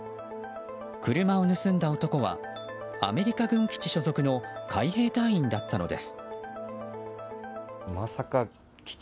車を盗んだ男はアメリカ軍基地所属の海兵隊員だったのです。